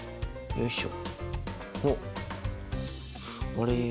よいしょ。